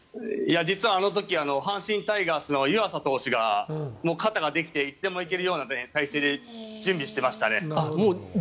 実は、あの時阪神タイガースの湯浅投手がもう肩ができていつでも行けるような態勢で準備していましたね。